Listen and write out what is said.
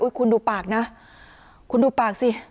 คุณดูปากนะคุณดูปากสิ